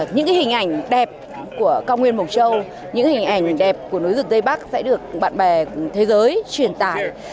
những hình ảnh đẹp của cao nguyên mộc châu những hình ảnh đẹp của núi rừng tây bắc sẽ được bạn bè thế giới truyền tải